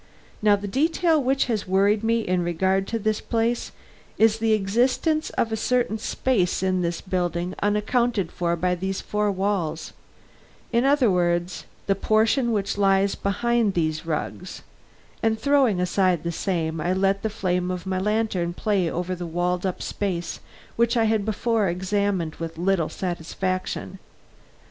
Now the detail which has worried me in regard to this place is the existence of a certain space in this building unaccounted for by these four walls; in other words, the portion which lies behind these rugs," and throwing aside the same, I let the flame from my lantern play over the walled up space which I had before examined with little satisfaction.